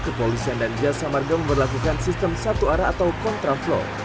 kepolisian dan jasa marga memperlakukan sistem satu arah atau kontraflow